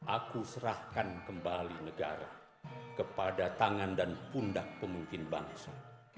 aku serahkan kembali negara kepada tangan dan pundak pemimpin bangsa